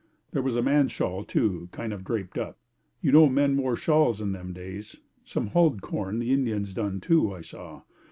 There was a man's shawl, too, kind of draped up. You know men wore shawls in them days; some hulled corn the Indians done, too, I saw.